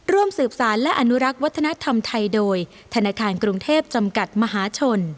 ร่วมสืบสารและอนุรักษ์วัฒนธรรมไทยโดยธนาคารกรุงเทพจำกัดมหาชน